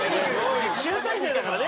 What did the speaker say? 集大成だからね！